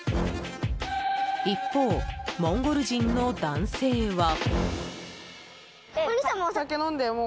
一方、モンゴル人の男性は。